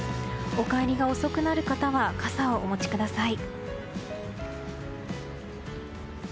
お帰りが遅くなる方は傘をお持ちください。